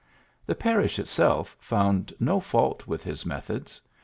The parish itself found no fault with his methods.